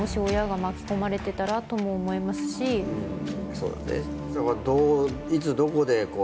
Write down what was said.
そうだね。